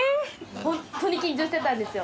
ホントに緊張してたんですよ。